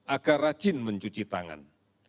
agar rajin mencuci tangan